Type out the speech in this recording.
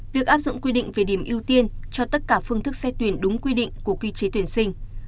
việc áp dụng quy định về điểm ưu tiên cho tất cả phương thức xét tuyển đúng quy định của quy chế tuyển sinh